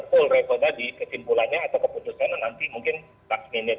full record nya di kesimpulannya atau keputusan nanti mungkin tak minit